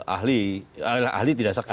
ahli ahli tidak saksi